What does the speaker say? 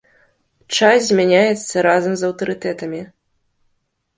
Час змяняецца разам з аўтарытэтамі.